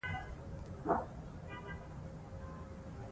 باید په دې اړه یو نظر شو.